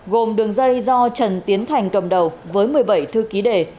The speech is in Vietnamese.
gồm đường dây do trần tiến thành cầm đầu với một mươi bảy thư ký đề